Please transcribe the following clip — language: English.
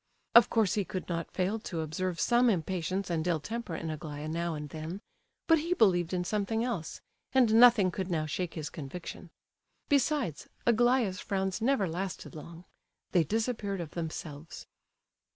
Of course he could not fail to observe some impatience and ill temper in Aglaya now and then; but he believed in something else, and nothing could now shake his conviction. Besides, Aglaya's frowns never lasted long; they disappeared of themselves.